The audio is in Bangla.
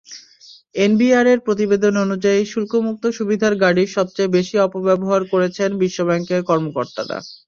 এনবিআরের প্রতিবেদন অনুযায়ী, শুল্কমুক্ত সুবিধার গাড়ির সবচেয়ে বেশি অপব্যবহার করেছেন বিশ্বব্যাংকের কর্মকর্তারা।